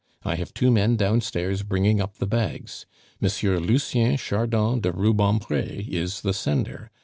I have two men downstairs bringing up the bags. M. Lucien Chardon de Rubempre is the sender.